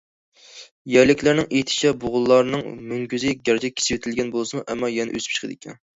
يەرلىكلەرنىڭ ئېيتىشىچە، بۇغىلارنىڭ مۈڭگۈزى گەرچە كېسىۋېتىلگەن بولسىمۇ، ئەمما يەنە ئۆسۈپ چىقىدىكەن.